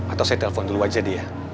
atau saya telepon dulu aja dia